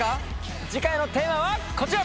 次回のテーマはこちら！